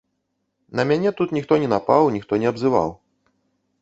На мяне тут ніхто не напаў, ніхто не абзываў.